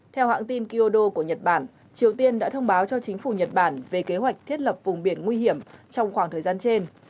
theo hãng tin kyodo của nhật bản triều tiên đã thông báo cho chính phủ nhật bản về kế hoạch thiết lập vùng biển nguy hiểm trong khoảng thời gian trên